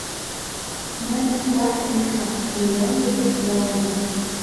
Мый Москваште нушкам, миллион деч молемын